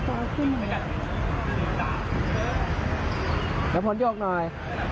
เดี๋ยวพอยกหน่อย